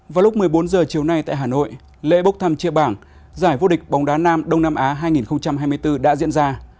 vào lúc một mươi bốn h chiều nay tại hà nội lễ bốc thăm chia bảng giải vô địch bóng đá nam đông nam á hai nghìn hai mươi bốn đã diễn ra